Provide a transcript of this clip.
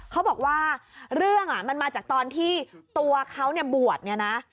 เขาบอกว่าเรื่องมันมาจากตอนที่ตัวเขาบวช